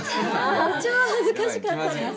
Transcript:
超恥ずかしかったです。